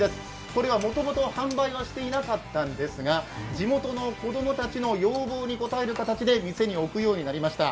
これはもともと販売はしていなかったんですが、地元の子供たちの要望に応える形で店に置くようになりました。